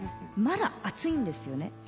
まだ暑いんですよね。